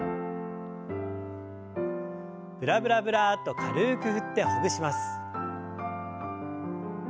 ブラブラブラッと軽く振ってほぐします。